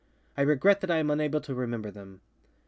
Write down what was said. I regret that I am unable to remember them.